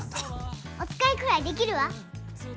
おつかいくらいできるわ。